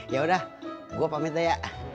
ya udah gue pamit dah ya